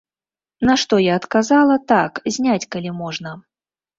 На што я адказала, так, зняць, калі можна.